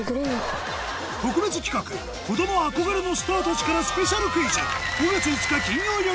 特別企画子供憧れのスターたちからスペシャルクイズ